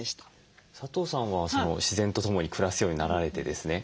佐藤さんは自然とともに暮らすようになられてですね